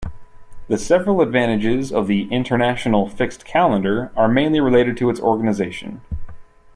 The several advantages of The International Fixed Calendar are mainly related to its organization.